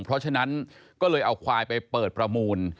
เพราะฉะนั้นก็เลยเอาควายไปเปิดประมูล